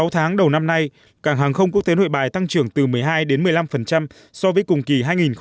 sáu tháng đầu năm nay cảng hàng không quốc tế nội bài tăng trưởng từ một mươi hai đến một mươi năm so với cùng kỳ hai nghìn một mươi chín